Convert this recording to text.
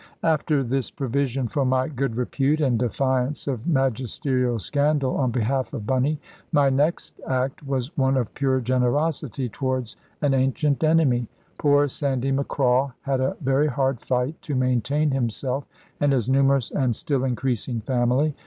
After this provision for my good repute, and defiance of magisterial scandal on behalf of Bunny, my next act was one of pure generosity towards an ancient enemy. Poor Sandy Macraw had a very hard fight to maintain himself and his numerous and still increasing family.